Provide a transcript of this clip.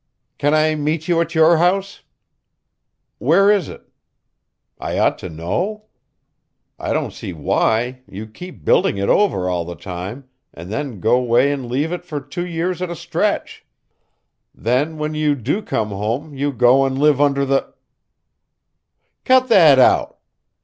Can I meet you at your house? Where is it? I ought to know? I don't see why, you keep building it over all the time and then go way and leave it for two years at a stretch. Then when you do come home you go and live under the Cut that out!